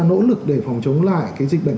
đã có nỗ lực để phòng chống lại cái dịch bệnh